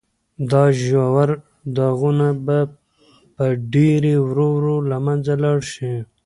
دا ژور داغونه به په ډېرې ورو ورو له منځه لاړ شي.